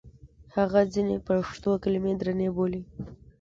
هغه ځینې پښتو کلمې درنې بولي.